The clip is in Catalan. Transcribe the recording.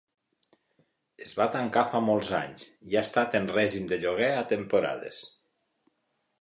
Es va tancar fa molts anys i ha estat en règim de lloguer a temporades.